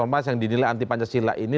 ormas yang dinilai anti pancasila ini